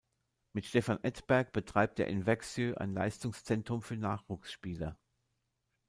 Mit Stefan Edberg betreibt er in Växjö ein Leistungszentrum für Nachwuchsspieler.